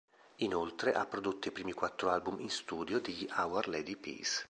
Inoltre ha prodotto i primi quattro album in studio degli Our Lady Peace.